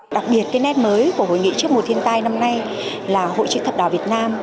đặc biệt cái nét mới của hội nghị trước mùa thiên tai năm nay là hội chữ thập đỏ việt nam